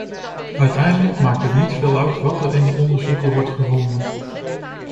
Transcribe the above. Uiteindelijk maakt het niet veel uit wat er in de onderzoeken wordt gevonden.